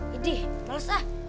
ideh lulus lah